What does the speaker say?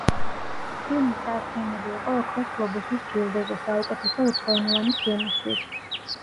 ფილმი წარდგენილი იყო ოქროს გლობუსის ჯილდოზე საუკეთესო უცხოენოვანი ფილმისთვის.